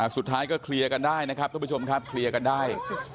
สุดท้ายก็เคลียร์กันได้นะครับทุกผู้ชมครับเคลียร์กันได้